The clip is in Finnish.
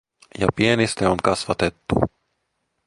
Ja pienistä on kasvatettu.